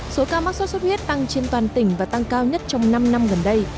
số ca mắc sốt xuất huyết tăng trên toàn tỉnh và tăng cao nhất trong năm năm gần đây